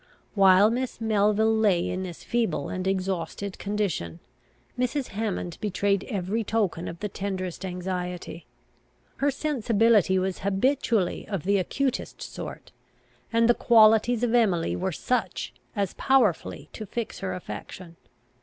While Miss Melville lay in this feeble and exhausted condition, Mrs. Hammond betrayed every token of the tenderest anxiety. Her sensibility was habitually of the acutest sort, and the qualities of Emily were such as powerfully to fix her affection.